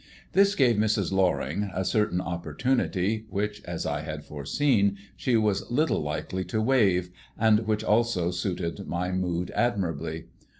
This gave Mrs. Loring, a certain opportunity which, as I had foreseen, she was little likely to waive, and which also suited my mood admirably.